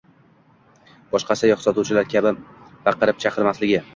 boshqa sayyoh sotuvchilar kabi baqirib-chaqirmasligi